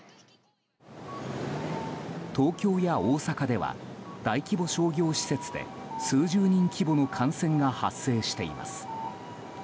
東京や大阪では大規模商業施設で数十人規模の感染が発生しています。